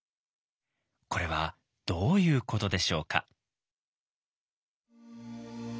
これはどういうことでしょうか？